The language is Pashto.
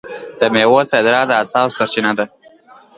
د میوو صادرات د اسعارو سرچینه ده.